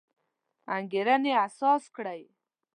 انګېرنې اساس کړی.